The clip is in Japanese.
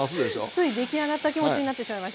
つい出来上がった気持ちになってしまいました。